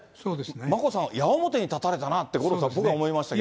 眞子さん、矢面に立たれたなと、五郎さん、僕は思いましたけど。